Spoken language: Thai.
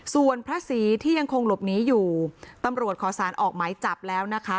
ส่วนพระศรีที่ยังคงหลบหนีอยู่ตำรวจขอสารออกหมายจับแล้วนะคะ